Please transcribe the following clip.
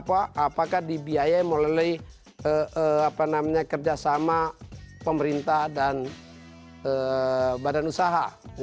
apakah dibiayai melalui kerjasama pemerintah dan badan usaha